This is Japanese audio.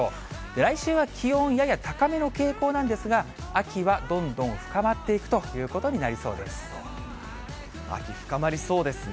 来週は気温、やや高めの傾向なんですが、秋はどんどん深まってい秋深まりそうですね。